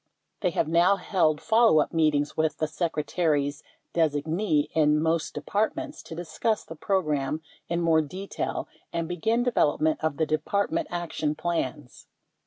They have now held follow up meetings with the Secretary's designee in most De partments to discuss the program in more detail and begin development of the Department Action Plans.